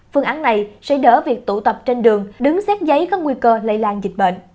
phương án này sẽ đỡ việc tụ tập trên đường đứng xét giấy có nguy cơ lây lan dịch bệnh